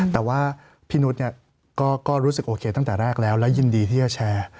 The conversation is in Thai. แต่ว่าพี่นุษย์ก็รู้สึกโอเคตั้งแต่แรกแล้วและยินดีที่จะแชร์